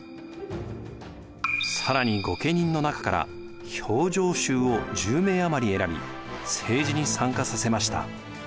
更に御家人の中から評定衆を１０名余り選び政治に参加させました。